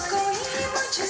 kau mucet kucing